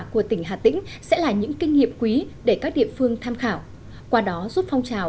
của tỉnh hà tĩnh sẽ là những kinh nghiệm quý để các địa phương tham khảo qua đó giúp phong trào